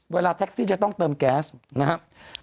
เวลาแท็กซี่จะต้องเติมแก๊สนะครับ